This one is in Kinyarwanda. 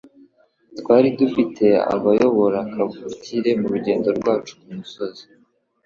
Twari dufite abayobora kavukire murugendo rwacu kumusozi.